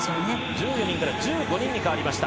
１４人から１５人に変わりました。